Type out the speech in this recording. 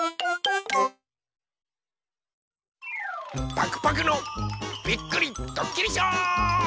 パクパクのびっくりどっきりショー！